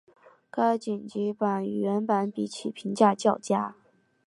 该剪辑版与原版比起评价较佳。